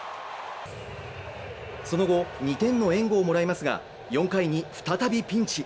その後、２点の援護をもらいますが４回に再びピンチ。